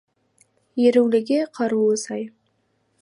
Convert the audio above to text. Еруліге қарулы сай.